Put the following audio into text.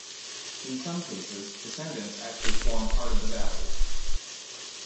In some cases, descendants actually form part of the valley.